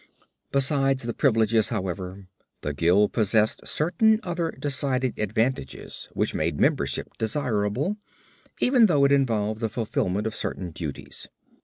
Besides the privileges, however, the guild possessed certain other decided advantages which made membership desirable, even though it involved the fulfilment of certain duties.